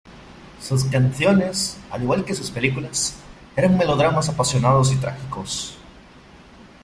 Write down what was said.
Sus canciones, al igual que sus películas, eran melodramas apasionados y trágicos.